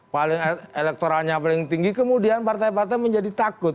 paling elektoralnya paling tinggi kemudian partai partai menjadi takut